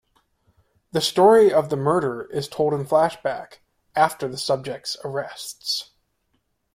The story of the murders is told in flashback, after the subjects' arrests.